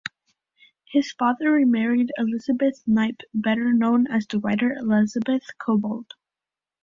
His father remarried Elizabeth Knipe better known as the writer Elizabeth Cobbold.